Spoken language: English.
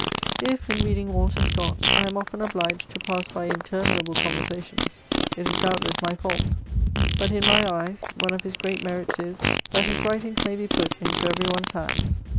If, in reading Walter Scott, I am often obliged to pass by interminable conversations, it is, doubtless, my fault ; but, in my eyes, one of his great merits is, that his writings may be put into every one*s hands.